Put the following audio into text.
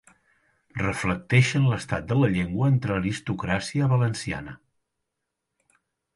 Reflecteixen l'estat de la llengua entre l'aristocràcia valenciana.